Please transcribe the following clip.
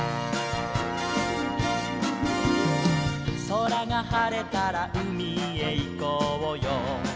「そらがはれたらうみへいこうよ」